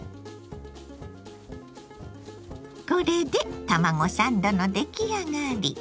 これで卵サンドの出来上がり。